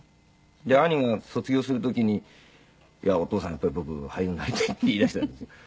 で兄が卒業する時に「いやお父さんやっぱり僕俳優になりたい」って言い出したんですよ。